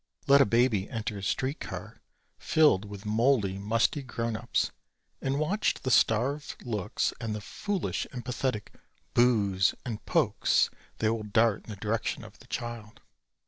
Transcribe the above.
Let a baby enter a street car filled with moldy, musty grown ups and watch the starved looks and the foolish and pathetic boohs and pokes they will dart in the direction of the child.